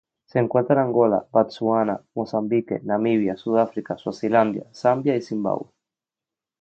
Se encuentra en Angola, Botsuana, Mozambique, Namibia, Sudáfrica, Suazilandia, Zambia y Zimbabue.